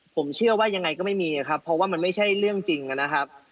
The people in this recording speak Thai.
ผมเชื่อว่ายังไงก็ไม่มีครับเพราะว่ามันไม่ใช่เรื่องจริงนะครับ